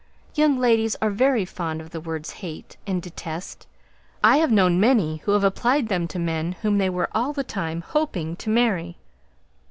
"Young ladies are very fond of the words 'hate' and 'detest.' I've known many who have applied them to men whom they were all the time hoping to marry."